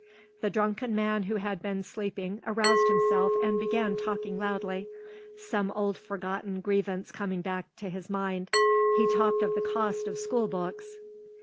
The drunken man who had been sleeping aroused himself and began talking loudly some old forgotten grievance coming back to his mind, he talked of the cost of school books.